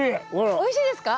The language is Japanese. おいしいですか？